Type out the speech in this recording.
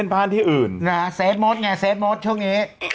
มีมีมีมีมีมี